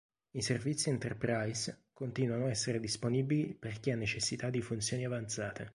I servizi Enterprise continuano a essere disponibili per chi ha necessità di funzioni avanzate.